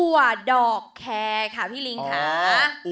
อว่าดอกแคค่ะพี่ลิ้งอ่า